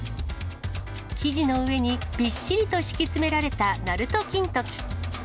生地の上にびっしりと敷き詰められたなると金時。